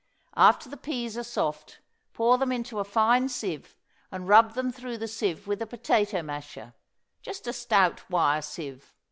After the peas are soft pour them into a fine sieve and rub them through the sieve with a potato masher; just a stout wire sieve.